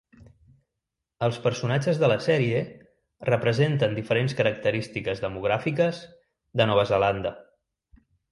Els personatges de la sèrie representen diferents característiques demogràfiques de Nova Zelanda.